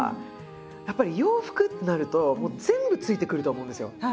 やっぱり洋服ってなると全部ついてくると思うんですよ。